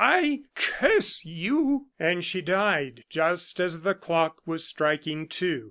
I curse you!" And she died just as the clock was striking two.